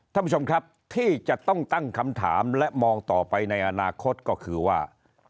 ท่านผู้ชมครับที่จะต้องตั้งคำถามและมองต่อไปในอนาคตก็คือว่า